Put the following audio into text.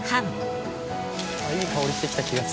いい香りしてきた気がする。